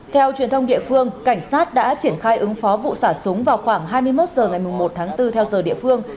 theo truyền thông địa phương cảnh sát đã triển khai ứng phó vụ xả súng vào khoảng hai mươi một h ngày một tháng bốn theo giờ địa phương